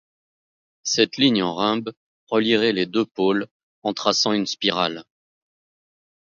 Cette ligne en rumb relierait les deux pôles en traçant une spirale.